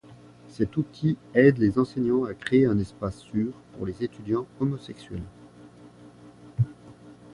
Cet outil aide les enseignants à créer un espace sûr pour les étudiants homosexuels.